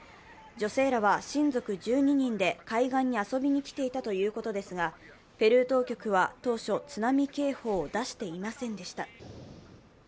女性らは親族１２人で海岸に遊びに来ていたということですが、ペルー当局は当初津波警報を出していませんでした。